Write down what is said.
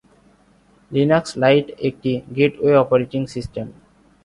Linux lite একটি 'gateway operating system'.